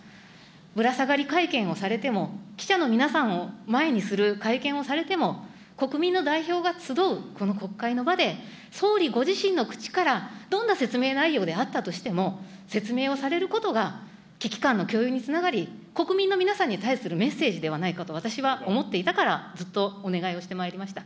ぶら下がり会見をされても、記者の皆さんを前にする会見をされても、国民の代表が集うこの国会の場で、総理ご自身の口からどんな説明内容であったとしても、説明をされることが危機感の共有につながり、国民の皆さんに対するメッセージではないかと私は思っていたからずっとお願いをしてまいりました。